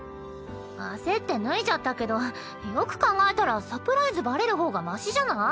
焦って脱いじゃったけどよく考えたらサプライズバレる方がマシじゃない？